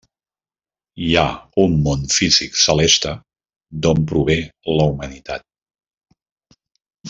Hi ha un món físic celeste d'on prové la humanitat.